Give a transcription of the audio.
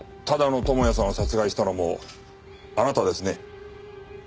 多田野智也さんを殺害したのもあなたですね？